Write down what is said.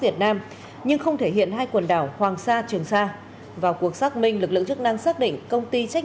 trước đảng và nhân dân